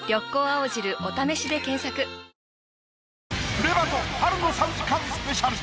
『プレバト』春の３時間スペシャル。